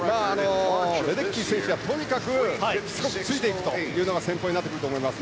レデッキー選手はとにかくしつこくついていくのが戦法になってくると思います。